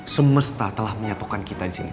semesta telah menyatukan kita disini